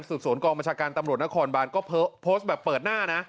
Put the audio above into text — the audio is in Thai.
สวนกองบัญชาการตำรวจนครบานก็โพสต์แบบเปิดหน้านะ